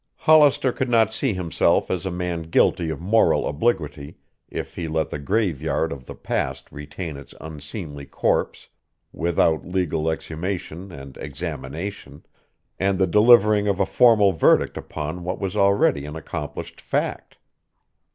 Hollister could not see himself as a man guilty of moral obliquity if he let the graveyard of the past retain its unseemly corpse without legal exhumation and examination, and the delivering of a formal verdict upon what was already an accomplished fact.